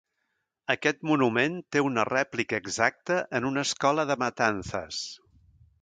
Aquest monument té una rèplica exacta en una escola de Matanzas.